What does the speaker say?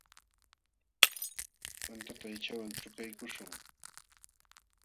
Tantata aychawan trukaykuśhun.